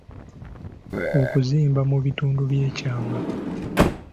Okuzimba mu bitundu by’ekyama.